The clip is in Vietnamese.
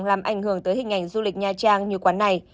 làm ảnh hưởng tới hình ảnh du lịch nha trang như quán này